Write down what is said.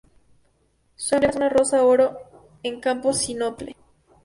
Su emblema es una rosa oro en campo sínople.